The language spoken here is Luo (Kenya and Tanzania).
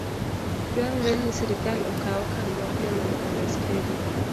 Dwarore ni sirkal okaw okang' mapiyo mondo ores le go